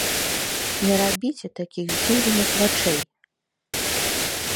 Не рабіце такіх здзіўленых вачэй!